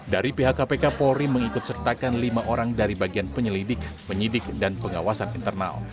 dari pihak kpk polri mengikut sertakan lima orang dari bagian penyelidik penyidik dan pengawasan internal